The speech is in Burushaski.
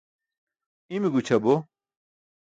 Imi gućʰabo.